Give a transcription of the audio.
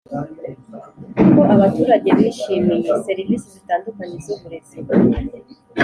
Uko abaturage bishimiye serivisi zitandukanye z uburezi